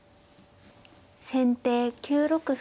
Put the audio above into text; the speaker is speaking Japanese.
先手９六歩。